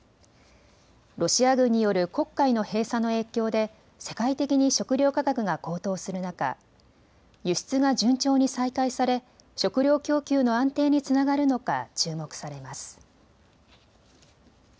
ロシア軍による黒海の閉鎖の影響で世界的に食料価格が高騰する中、輸出が順調に再開され食料供給の安定につながるのか注目されます。